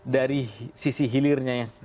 dari sisi hilirnya yang